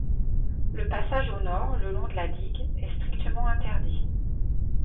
Le passage au nord, le long de la digue, est strictement interdit.